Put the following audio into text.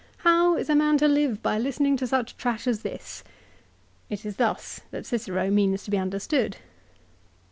How is a man to live by listening to such trash as this ?" It is thus that Cicero means to be understood.